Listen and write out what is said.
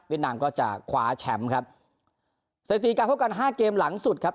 นามก็จะคว้าแชมป์ครับสถิติการพบกันห้าเกมหลังสุดครับ